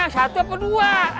satu apa dua